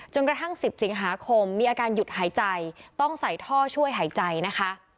กระทั่ง๑๐สิงหาคมมีอาการหยุดหายใจต้องใส่ท่อช่วยหายใจนะคะ